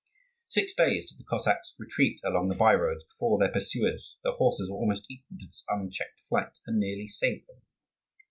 Six days did the Cossacks retreat along the by roads before their pursuers; their horses were almost equal to this unchecked flight, and nearly saved them.